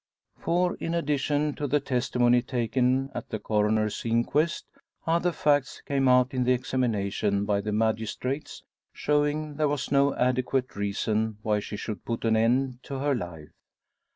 For, in addition to the testimony taken at the Coroner's inquest, other facts came out in examination by the magistrates, showing there was no adequate reason why she should put an end to her life.